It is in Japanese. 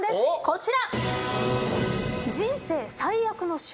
こちら。